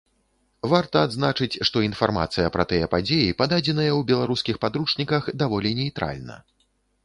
Варта адзначыць, што інфармацыя пра тыя падзеі пададзеная ў беларускіх падручніках даволі нейтральна.